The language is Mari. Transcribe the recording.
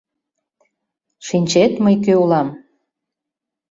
— Шинчет, мый кӧ улам?